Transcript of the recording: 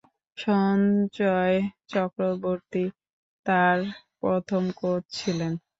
সঞ্জয় চক্রবর্তী তাঁর প্রথম কোচ ছিলেন।